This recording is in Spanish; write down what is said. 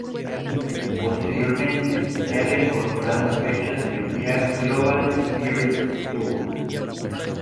Posteriormente, se ha reincorporado en fechas de la gira Global Spirit Tour.